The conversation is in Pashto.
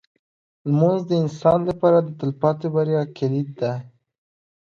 لمونځ د انسان لپاره د تلپاتې بریا کلید دی.